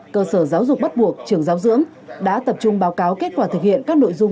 cơ sở giáo dục bắt buộc trường giáo dưỡng đã tập trung báo cáo kết quả thực hiện các nội dung